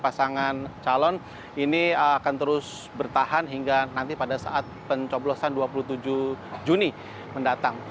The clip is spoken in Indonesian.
pasangan calon ini akan terus bertahan hingga nanti pada saat pencoblosan dua puluh tujuh juni mendatang